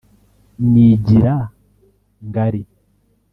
Nyigira ngali